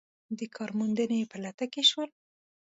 د کار موندنې په لټه کې شول.